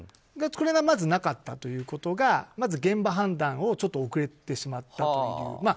これがまずなかったということがまず現場判断がちょっと遅れてしまったという。